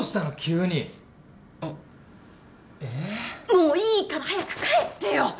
もういいから。早く帰ってよ。